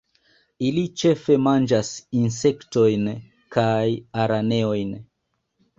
Ili ĉefe manĝas insektojn kaj araneojn.